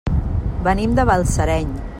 Venim de Balsareny.